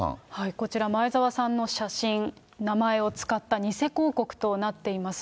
こちら前澤さんの写真、名前を使った偽広告となっています。